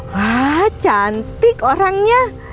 wah cantik orangnya